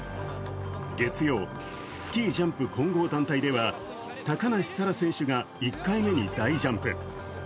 月曜、スキージャンプ混合団体では高梨沙羅選手が１回目に大ジャンプ。